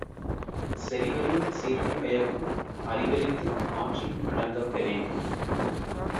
செறிவறிந்து சீர்மை பயக்கும் அறிவறிந்து ஆற்றின் அடங்கப் பெறின்